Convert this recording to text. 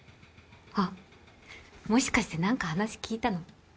あっもしかして何か話聞いたの？